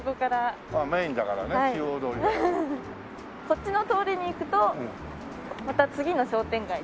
こっちの通りに行くとまた次の商店街に行ける。